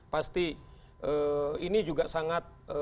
pasti ini juga sangat